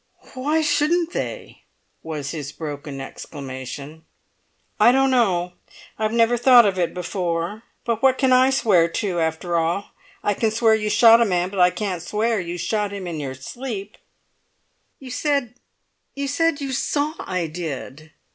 "Why shouldn't they?" was his broken exclamation. "I don't know. I never thought of it before. But what can I swear to, after all? I can swear you shot a man, but I can't swear you shot him in your sleep!" "You said you saw I did!"